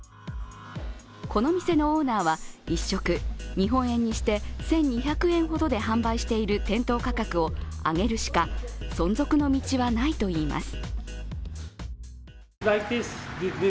この店のオーナーは１食、日本円にして１２００円ほどで販売している店頭価格を上げるしか存続の道はないといいます。